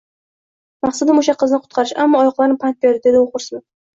Maqsadim, o‘sha qizni qutqarish, ammo oyoqlarim pand berdi, – debdi u xo‘rsinib